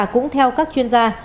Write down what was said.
cũng theo các chuyên gia